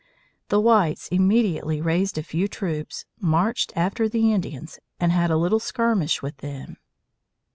The whites immediately raised a few troops, marched after the Indians, and had a little skirmish with them.